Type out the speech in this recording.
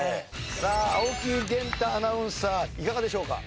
さあ青木源太アナウンサーいかがでしょうか？